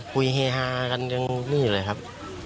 คุยเฮฮากันอยู่เลยครับ